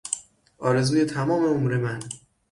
آرزوی تمام عمر من